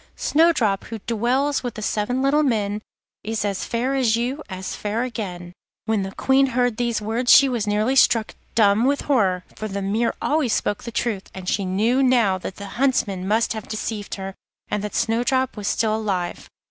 Snowdrop, who dwells with the seven little men, Is as fair as you, as fair again.' When the Queen heard these words she was nearly struck dumb with horror, for the mirror always spoke the truth, and she knew now that the Huntsman must have deceived her, and that Snowdrop was still alive.